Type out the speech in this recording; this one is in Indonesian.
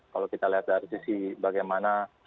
kalau kita lihat dari sisi bagaimana